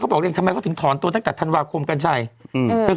เขาบอกเรียนทำไมเขาถึงถอนตัวตั้งแต่ธันวาคมกันใช่อืม